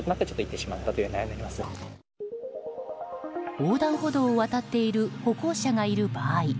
横断歩道を渡っている歩行者がいる場合